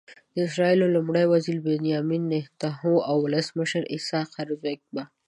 د اسرائیلو لومړي وزير بنیامین نتنیاهو او ولسمشر اسحاق هرزوګ به.